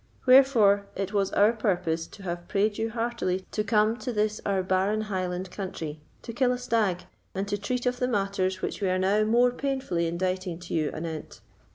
Wherefore, it was our purpose to have prayed you heartily to come to this our barren Highland country to kill a stag, and to treat of the matters which we are now more painfully inditing to you anent.